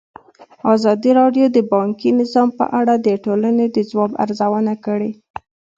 ازادي راډیو د بانکي نظام په اړه د ټولنې د ځواب ارزونه کړې.